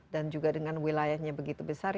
dan juga dengan wilayahnya begitu besar